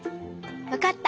わかった！